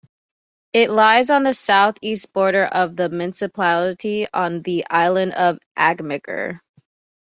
It lies on the southeast border of the municipality on the island of Amager.